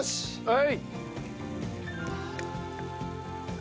はい！